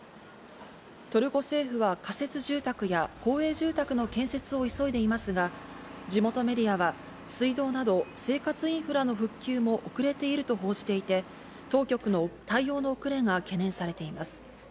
トルコ政府は仮設住宅や公営住宅の建設を急いでいますが、地元メディアは水道など生活インフラの復旧も遅れていると報じていて、当局の対応の遅れが懸念されています。